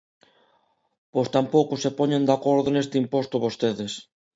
Pois tampouco se poñen de acordo neste imposto vostedes.